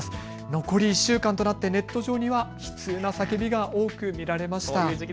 残り１週間となってネット上には悲痛な叫びが多く見られました。